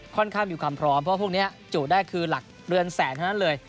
ค่อนข้ามอยู่ความพร้อมเพราะว่าพวกนี้จูดได้คือหลักเรือนแสนเท่านั้นเลย